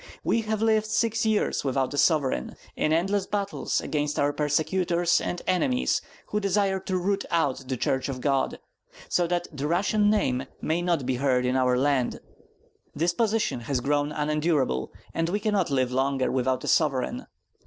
We have lived six years without a sovereign, in endless battles against our persecutors and enemies who desire to root out the church of God, so that the Russian name may not be heard in our land. This position has grown unendurable, and we cannot live longer without a sovereign.